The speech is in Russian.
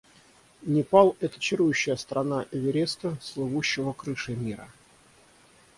Непал — это чарующая страна Эвереста, слывущего крышей мира.